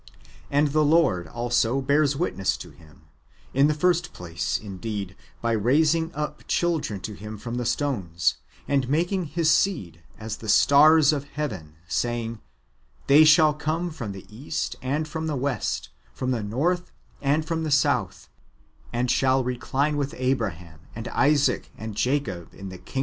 "^ And the Lord [also bears witness to him], in the first place, indeed, by raising up chil dren to him from the stones, and making his seed as the stars of heaven, saying, " They shall come from the east and from the west, from the north and from the south, and shall recline with Abraham, and Isaac, and Jacob in the kingdom 1 Gen. xviii.